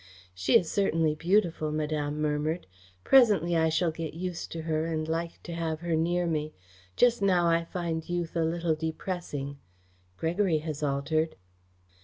"She is certainly beautiful," Madame murmured. "Presently I shall get used to her and like to have her near me. Just now I find youth a little depressing. Gregory has altered."